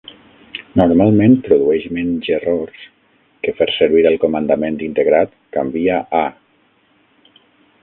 Normalment produeix menys errors que fer servir el comandament integrat "Canvia a"